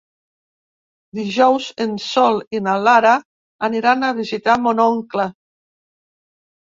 Dijous en Sol i na Lara aniran a visitar mon oncle.